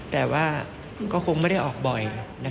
แต่ว่าก็คงไม่ได้ออกบ่อย